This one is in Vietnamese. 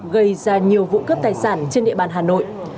gây ra nhiều vụ cướp tài sản trên địa bàn hà nội